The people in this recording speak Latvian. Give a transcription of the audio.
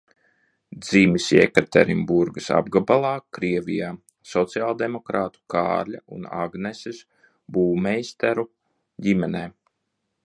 Dzimis Jekaterinburgas apgabalā Krievijā sociāldemokrātu Kārļa un Agneses Būmeisteru ģimenē.